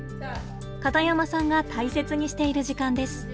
片山さんが大切にしている時間です。